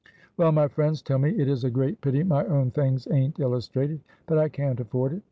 Well, my friends tell me it is a great pity my own things aint illustrated. But I can't afford it.